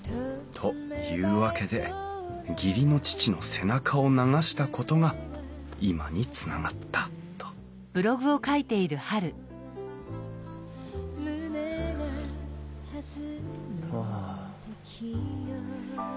「というわけで義理の父の背中を流したことが今につながった」とはあ。